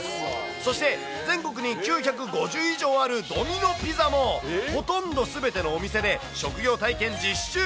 そして、全国に９５０以上あるドミノピザも、ほとんどすべてのお店で、職業体験実施中。